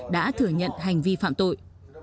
đã thừa nhận hành vi phạm tội